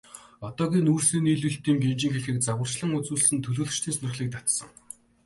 Одоогийн нүүрсний нийлүүлэлтийн гинжин хэлхээг загварчлан үзүүлсэн нь төлөөлөгчдийн сонирхлыг татсан.